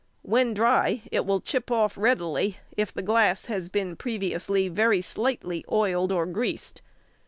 When dry it will chip off readily, if the glass has been previously very slightly oiled or greased.